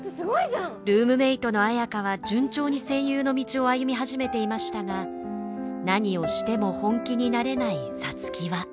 ルームメートの綾花は順調に声優の道を歩み始めていましたが何をしても本気になれない皐月は。